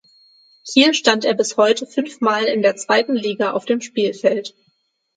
Hier stand er bis heute fünfmal in der zweiten Liga auf dem Spielfeld.